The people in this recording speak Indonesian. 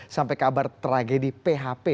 sampai kabar tragedi php